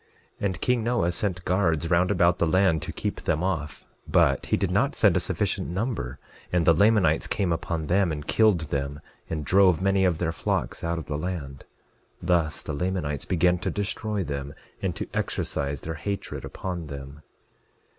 11:17 And king Noah sent guards round about the land to keep them off; but he did not send a sufficient number, and the Lamanites came upon them and killed them, and drove many of their flocks out of the land; thus the Lamanites began to destroy them, and to exercise their hatred upon them.